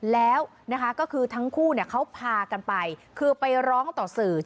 แล้วก็คือทั้งคู่เขาพากันไปคือไปร้องต่อสื่อ